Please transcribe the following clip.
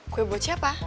kue buat siapa